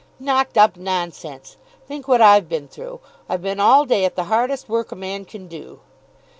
"Knocked up, nonsense! Think what I've been through. I've been all day at the hardest work a man can do."